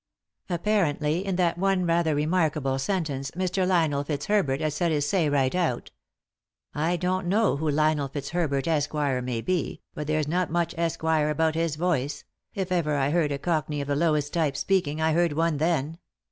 Apparently in that one rather remarkable sentence Mr. Lionel Fitzherbert had said his say right out I don't know who Lionel Fitzherbert, Esquire, may be, but there's not much ' Esquire' about bis voice ; if ever I heard a Cockney of the lowest type speaking I heard one then.